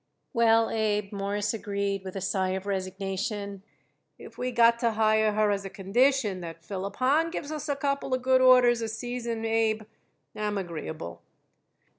"Well, Abe," Morris agreed, with a sigh of resignation, "if we got to hire her as a condition that Philip Hahn gives us a couple of good orders a season, Abe, I'm agreeable."